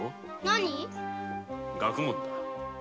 学問だ。